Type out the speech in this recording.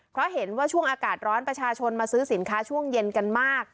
เพราะเห็นว่าช่วงอากาศร้อนประชาชนมาซื้อสินค้าช่วงเย็นกันมาก